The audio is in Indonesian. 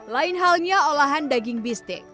lain halnya olahan daging bistik